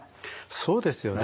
そうですよね。